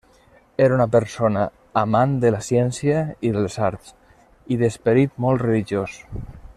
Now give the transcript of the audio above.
Era una persona amant de la ciència i de les arts, i d'esperit molt religiós.